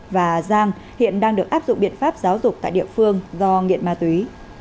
và giang hiện đang được áp dụng biện pháp giáo dục tại địa phương do nghiện ma túy